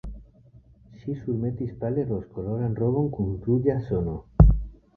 Ŝi surmetis pale rozkoloran robon kun ruĝa zono.